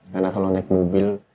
karena kalau naik mobil